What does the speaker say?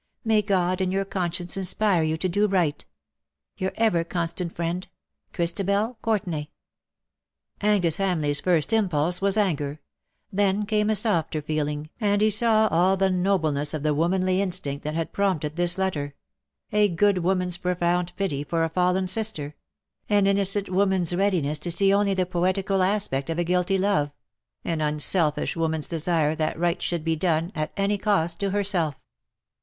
May God and your conscience inspire you to do right. " Your ever constant friend, " Christabel Courtenay.^' Angus Hamleigh's first impulse was anger Then came a softer feeling, and he saw all the nobleness of the womanly instinct that had prompted this letter : a good woman's profound pity for a fallen sister; an innocent woman's readiness to see only the poetical aspect of a guilty love; an unselfish woman's desire that right should be done, at any cost to herself.